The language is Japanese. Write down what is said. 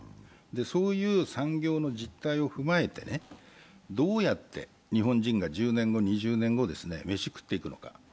そういう産業の実態を踏まえて、どうやって日本人が１０年後、２０年後、飯を食っていくのか。